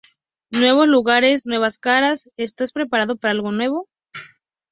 Nuevos lugares, nuevas caras, ¿estás preparado para algo nuevo?